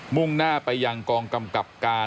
่งหน้าไปยังกองกำกับการ